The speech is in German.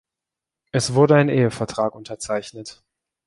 Es wurde ein Ehevertrag unterzeichnet.